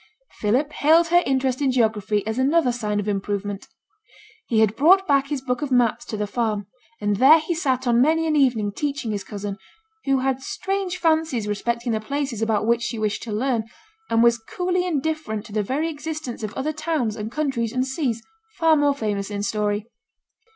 Philip hailed her interest in geography as another sign of improvement. He had brought back his book of maps to the farm; and there he sat on many an evening teaching his cousin, who had strange fancies respecting the places about which she wished to learn, and was coolly indifferent to the very existence of other towns, and countries, and seas far more famous in story.